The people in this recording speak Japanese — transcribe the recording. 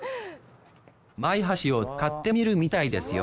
マイ箸を買ってみるみたいですよ